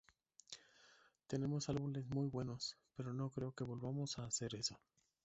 Tenemos álbumes muy buenos, pero no creo que volvamos a hacer eso.